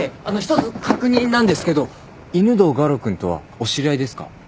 あの一つ確認なんですけど犬堂我路君とはお知り合いですか？